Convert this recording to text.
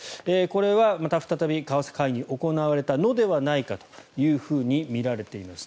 これはまた再び為替介入が行われたのではないかとみられています。